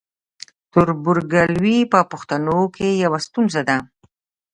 تربورګلوي په پښتنو کې یوه ستونزه ده.